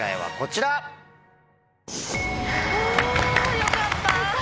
よかった！